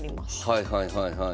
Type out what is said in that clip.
はいはいはいはい。